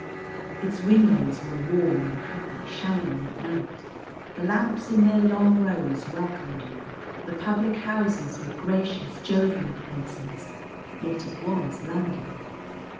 Its windows were warm and happy, shining at night, the lamps in their long rows welcomed you, the public houses were gracious jovial places; yet it was London.